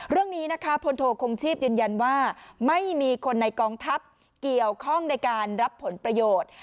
เรื่องนี้นะคะพลโทคงชีพยืนยันว่าไม่มีคนในกองทัพเกี่ยวข้องในการรับผลประโยชน์